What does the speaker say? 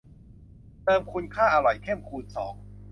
เติมคุณค่าอร่อยเข้มคูณสอง